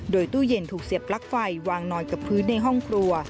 โดยตู้เย็นถูกเสียบปลั๊กไฟวางนอนกับพื้นในห้องครัว